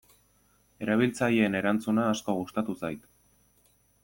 Erabiltzaileen erantzuna asko gustatu zait.